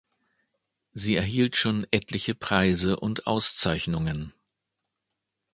Sie erhielt schon etliche Preise und Auszeichnungen.